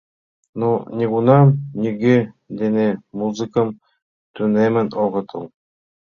Нуно нигунам нигӧ дене музыкым тунемын огытыл.